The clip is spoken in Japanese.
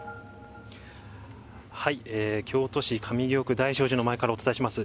京都市上京区大聖寺の前からお伝えします。